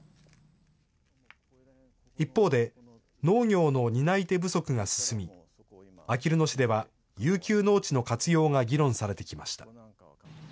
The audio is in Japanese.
一方で、農業の担い手不足が進み、あきる野市では遊休農地の活用が議論されてきました。